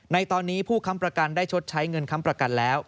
ในตอนนี้ผู้ค้ำประกันได้ชดใช้เงินค้ำประกันแล้ว